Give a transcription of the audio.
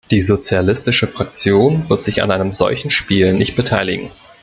Die sozialistische Fraktion wird sich an einem solchen Spiel nicht beteiligen.